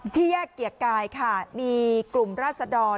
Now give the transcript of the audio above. ที่แยกเกียรติกายค่ะมีกลุ่มราศดร